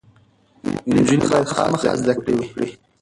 نجونې باید خامخا زده کړې وکړي.